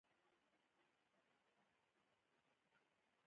پرون په ویړه خوله له کوره راوتلی زلمی